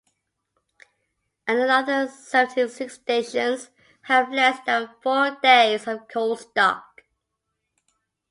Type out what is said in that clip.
Another seventy-six stations have less than four days of coal stock.